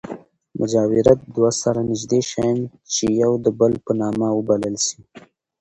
مجاورت دوه سره نژدې شیان، چي يو د بل په نامه وبلل سي.